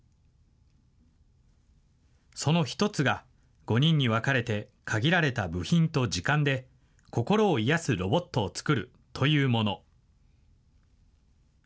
その一つが、５人に分かれて、限られた部品と時間で心を癒やすロボットを作るというもの。